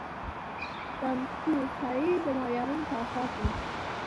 د انتوسای د معیارونو په اساس ده.